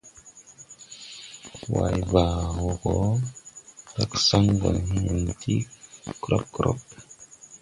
Way baa wɔ gɔ, hrag saŋ gɔ ne hen tii krɔb krɔb.